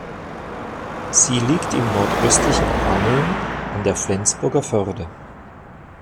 Sie liegt im nordöstlichen Angeln an der Flensburger Förde.